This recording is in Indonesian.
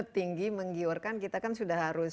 tinggi menggiurkan kita kan sudah harus